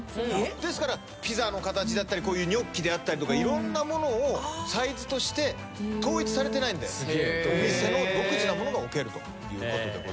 ですからピザの形であったりこういうニョッキであったりとかいろんなものをサイズとして統一されてないんでお店の独自なものが置けるということでございます。